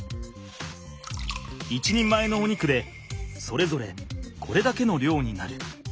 １人前のお肉でそれぞれこれだけの量になる！